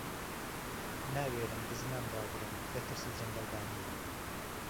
ناوێرم بزنان ڕاگرم له ترسی جهنگهڵبانی